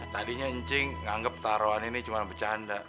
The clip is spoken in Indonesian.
tadinya cing nganggep taruhan ini cuma bercanda